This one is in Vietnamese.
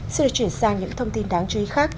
xin được chuyển sang những thông tin đáng chú ý khác